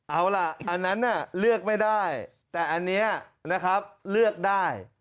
เอาล่ะอันนั้นเลือกไม่ได้แต่อันนี้นะครับเลือกได้